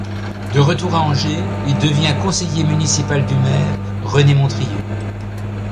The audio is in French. De retour à Angers il devient conseiller municipal du maire René Montrieux.